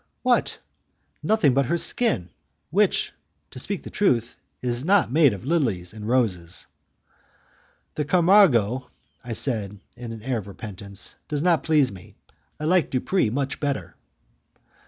"What? Nothing but her skin which, to speak the truth, is not made of lilies and roses." "The Camargo," I said, with an air of repentance, "does not please me. I like Dupres much better."